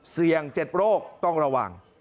เสี่ยง๗โรคต้องระวัง